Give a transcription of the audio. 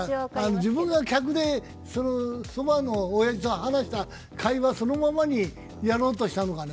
自分が客で、そばのオヤジと話した会話そのままにやろうとしたのかね。